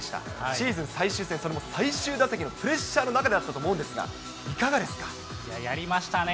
シーズン最終戦、それも最終打席のプレッシャーの中だったと思うんですが、いかがいや、やりましたね。